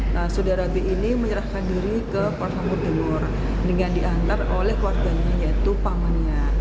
saudara b menyerahkan diri ke kabupaten lampung timur dengan diantar oleh keluarganya yaitu pak mania